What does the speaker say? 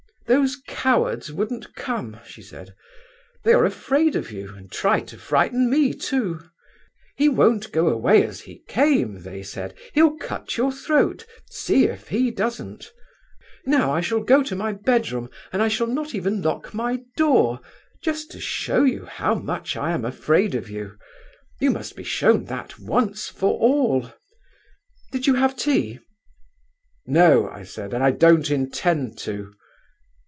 'Those cowards wouldn't come,' she said. 'They are afraid of you, and tried to frighten me, too. "He won't go away as he came," they said, "he'll cut your throat—see if he doesn't." Now, I shall go to my bedroom, and I shall not even lock my door, just to show you how much I am afraid of you. You must be shown that once for all. Did you have tea?' 'No,' I said, 'and I don't intend to.